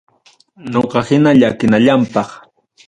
Ñoqa hina llakinallampaq.